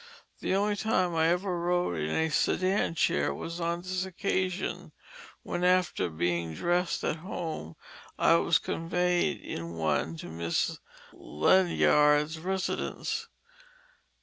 The only time I ever rode in a sedan chair was on this occasion, when after being dressed at home, I was conveyed in one to Miss Ledyard's residence.